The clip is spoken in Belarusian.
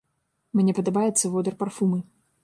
Мне падабаецца водар парфумы.